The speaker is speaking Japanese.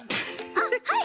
あっはい！